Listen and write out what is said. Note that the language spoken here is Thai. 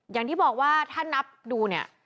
อย่างที่บอกว่าถ้านับดูเนี่ย